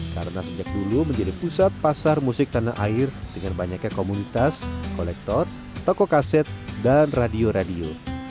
karena sejak dulu menjadi pusat pasar musik tanah air dengan banyaknya komunitas kolektor tokok kaset dan radio radio